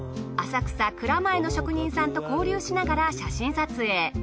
浅草蔵前の職人さんと交流しながら写真撮影。